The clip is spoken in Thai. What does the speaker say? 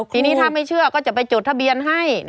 ทีนี้ถ้าไม่เชื่อก็จะไปจดทะเบียนให้